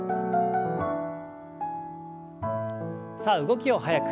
さあ動きを速く。